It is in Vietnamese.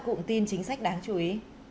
cụm tin chính sách đáng chú ý